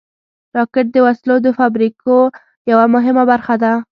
راکټ د وسلو د فابریکو یوه مهمه برخه ده